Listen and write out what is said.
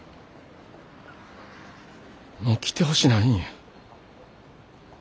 もう来てほしないんや。